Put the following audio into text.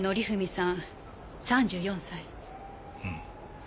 うん。